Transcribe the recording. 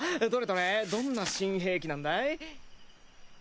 どれどれどんな新兵器なんだい？